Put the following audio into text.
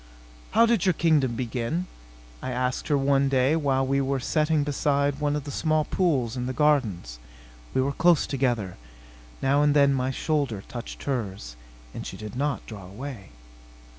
"How did your kingdom begin?" I asked her one day, while we were sitting beside one of the small pools in the gardens. We were close together. Now and then my shoulder touched hers, and she did not draw away.